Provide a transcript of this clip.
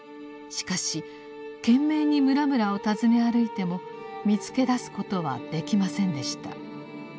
しかし懸命に村々を訪ね歩いても見つけだすことはできませんでした。